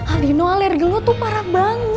aldino alergi lo tuh parah banget